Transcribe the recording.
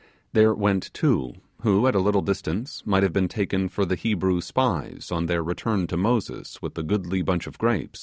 There went two, who at a little distance might have been taken for the Hebrew spies, on their return to Moses with the goodly bunch of grape.